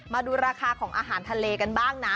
มาดูราคาของอาหารทะเลกันบ้างนะ